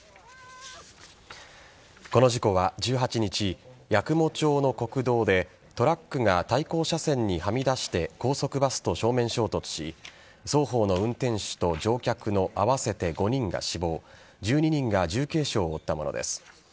この事故は１８日八雲町の国道でトラックが対向車線にはみ出して高速バスと正面衝突し双方の運転手と乗客の合わせて５人が死亡１２人が重軽傷を負ったものです。